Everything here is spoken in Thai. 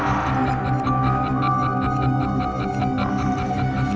ที่มันก็จะมีเหตุวิวที่เราไม่เห็น